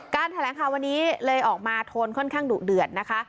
แถลงข่าววันนี้เลยออกมาโทนค่อนข้างดุเดือดนะคะ